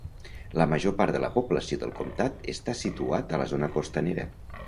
La major part de la població del comtat està situat a la zona costanera.